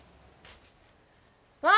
わあ！